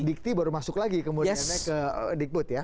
dikti baru masuk lagi kemudiannya ke dikbud ya